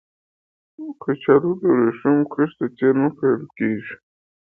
کچالو د ورېښمو کښت ته څېرمه کرل کېږي